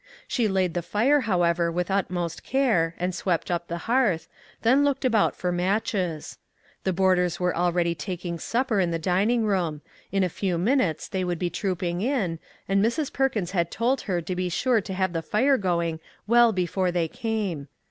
She laid the fire, however, with utmost care, and swept up the hearth, then looked about for matches. The boarders were already taking supper in the dining room; in a few minutes they would be trooping in, and Mrs. Perkins had told her to be sure to have the fire going well before they came.